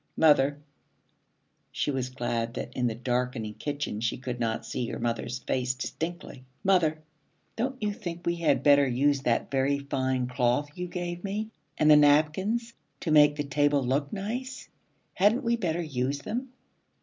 'Mother,' she was glad that in the darkening kitchen she could not see her mother's face distinctly, 'mother, don't you think we had better use that very fine cloth you gave me, and the napkins, to make the table look nice? Hadn't we better use them?'